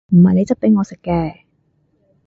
唔係你質俾我食嘅！